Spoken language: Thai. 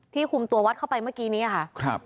คุมตัววัดเข้าไปเมื่อกี้นี้ค่ะ